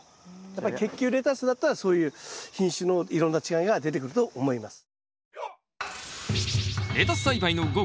やっぱり結球レタスだったらそういう品種のいろんな違いが出てくると思います。